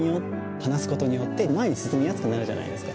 話すことによって前に進みやすくなるじゃないですか。